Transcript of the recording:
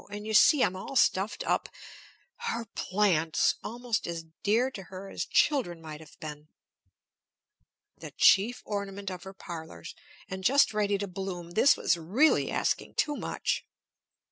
And you see I'm all stuffed up " Her plants! Almost as dear to her as children might have been! The chief ornament of her parlors! And just ready to bloom! This was really asking too much.